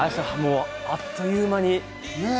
あっという間に。